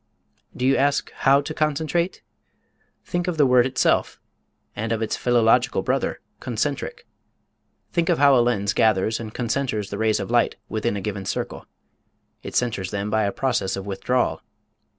Do you ask how to concentrate? Think of the word itself, and of its philological brother, concentric. Think of how a lens gathers and concenters the rays of light within a given circle. It centers them by a process of withdrawal.